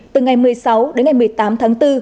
từ ngày một mươi sáu đến ngày một mươi tám tháng bốn